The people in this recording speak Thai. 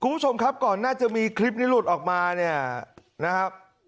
คุณผู้ชมครับก่อนน่าจะมีคลิปนี้หลุดออกมาเนี่ยนะครับ